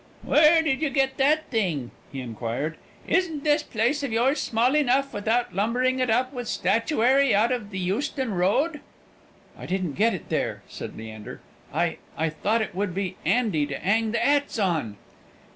"Where did you get that thing?" he inquired. "Isn't this place of yours small enough, without lumbering it up with statuary out of the Euston Road?" "I didn't get it there," said Leander. "I I thought it would be 'andy to 'ang the 'ats on."